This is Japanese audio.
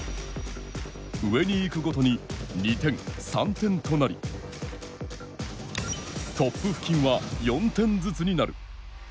上に行くごとに２点、３点となりトップ付近は４点ずつになる。